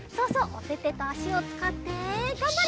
おててとあしをつかってがんばれ！